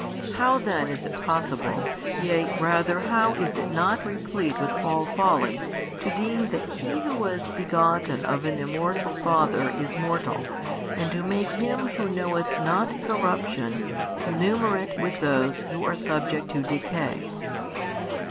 How then is it possible yea, rather how is it not replete with all folly, to deem that He who was begotten of an Immortal Father is mortal and to make Him who knoweth not corruption connumerate with those who are subject to decay?